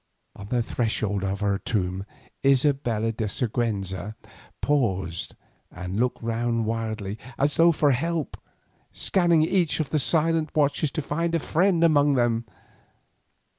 On the threshold of her tomb Isabella de Siguenza paused and looked round wildly as though for help, scanning each of the silent watchers to find a friend among them.